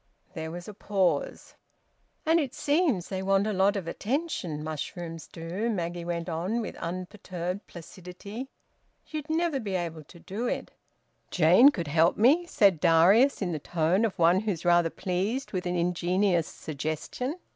There was a pause. "And it seems they want a lot of attention, mushrooms do," Maggie went on with unperturbed placidity. "You'd never be able to do it." "Jane could help me," said Darius, in the tone of one who is rather pleased with an ingenious suggestion.